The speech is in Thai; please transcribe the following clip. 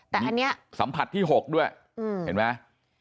แต่อันนี้สัมผัสที่๖ด้วยเห็นไหม